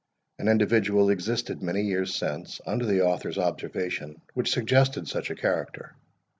An individual existed many years since, under the author's observation, which suggested such a character.